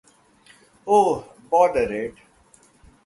Oh, bother it!